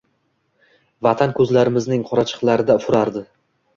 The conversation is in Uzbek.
Vatan ko‘zlarimizning qorachiqlarida ufuradi.